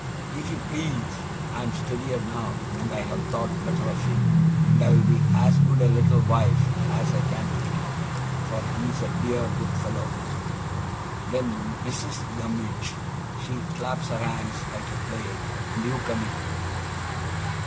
"If you please, I am steadier now, and I have thought better of it, and I'll be as good a little wife as I can to him, for he's a dear, good fellow!" Then Missis Gummidge, she claps her hands like a play, and you come in.